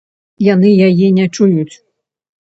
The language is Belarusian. Яны яе не чуюць.